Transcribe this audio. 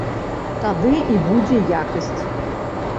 Тады і будзе якасць!